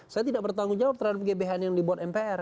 saya tidak bertanggung jawab terhadap gbhn yang dibuat mpr